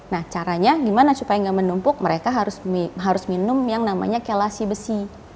nah caranya gimana supaya nggak menumpuk mereka harus minum yang namanya kelasi besi